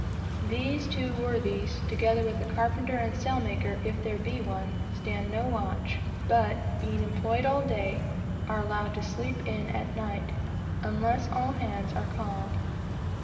These two worthies, together with the carpenter and sailmaker, if there be one, stand no watch, but, being employed all day, are allowed to "sleep in" at night, unless all hands are called.